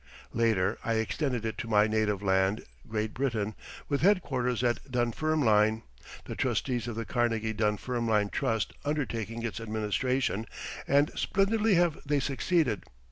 Later I extended it to my native land, Great Britain, with headquarters at Dunfermline the Trustees of the Carnegie Dunfermline Trust undertaking its administration, and splendidly have they succeeded.